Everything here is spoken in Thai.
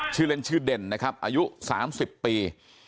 ชื่อเล่นชื่อเด่นนะครับอายุ๓๐ปี